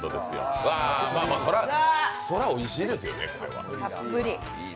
そりゃ、おいしいですよね。